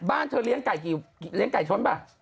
บ้านเธอเลี้ยงไก่ชนบ้าง